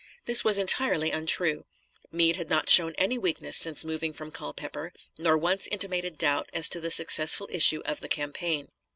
This was entirely untrue. Meade had not shown any weakness since moving from Culpeper, nor once intimated doubt as to the successful issue of the campaign.